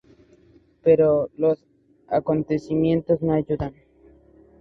Pero los acontecimientos no ayudan.